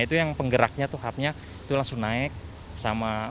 itu yang penggeraknya tuh hubnya itu langsung naik sama